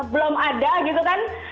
belum ada gitu kan